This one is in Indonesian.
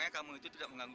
cepat serahkan uangmu